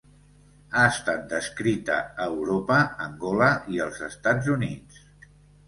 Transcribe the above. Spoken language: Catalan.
Ha estat descrita a Europa, Angola i els Estats Units.